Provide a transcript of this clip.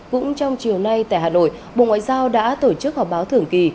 cũng trong chiều nay tại hà nội bộ ngoại giao đã tổ chức họp báo thường kỳ